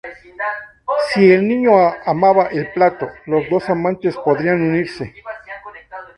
Si el niño amaba el plato, los dos amantes podrían unirse.